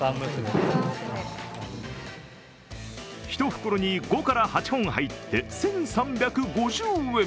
１袋に５８本入って、１３５０円。